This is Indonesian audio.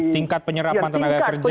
tingkat penyerapan tenaga kerja